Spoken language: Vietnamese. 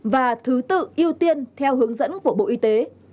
và thứ tự ưu tiên theo hướng dẫn của bộ y tế